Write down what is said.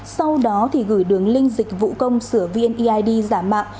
sau đó thì gửi đường link dịch vụ công sửa vneid giả mạo